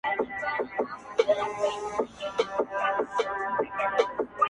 • ادبي مجلسونه دا کيسه يادوي تل,